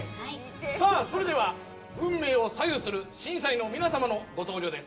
さあそれでは運命を左右する審査員の皆様のご登場です。